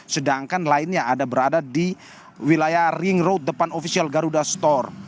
sedangkan lainnya ada berada di wilayah ring road depan official garuda store